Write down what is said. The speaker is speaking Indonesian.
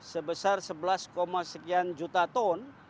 sebesar sebelas sekian juta ton